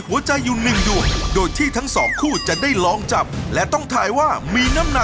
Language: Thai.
คุณแม่นก็ไม่หนอยหน้า